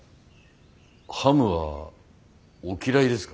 ハムはお嫌いですか。